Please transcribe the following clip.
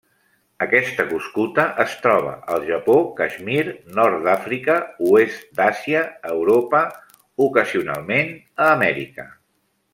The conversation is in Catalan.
Aquesta cuscuta es troba al Japó, Caixmir, Nord d'Àfrica, oest d'Àsia, Europa, ocasionalment a Amèrica.